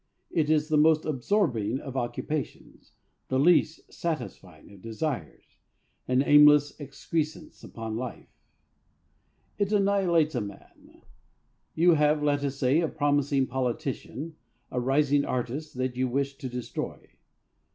It is the most absorbing of occupations, the least satisfying of desires, an aimless excrescence upon life. It annihilates a man. You have, let us say, a promising politician, a rising artist, that you wish to destroy.